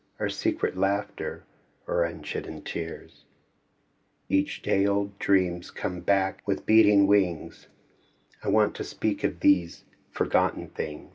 Our secret laughter, or unchidden tears; Each day old dreams come back with beating wings, I want to speak of these forgotten things.